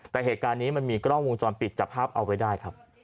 แต่เหตุการณ์นี้มีกล้องมุมจอมปิดจับพรับเอาไปได้